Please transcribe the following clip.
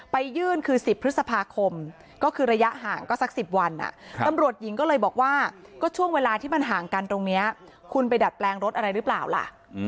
ไปยื่นคือ๑๐พฤษภาคมก็คือระยะห่างก็สัก๑๐วันตำรวจหญิงก็เลยบอกว่าก็ช่วงเวลาที่มันห่างกันตรงนี้คุณไปดัดแปลงรถอะไรหรือเปล่าล่ะ